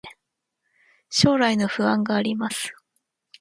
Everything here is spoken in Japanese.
将来の不安があります